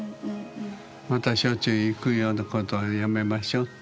またしょっちゅう行くようなことはやめましょうって。